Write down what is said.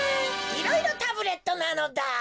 いろいろタブレットなのだ。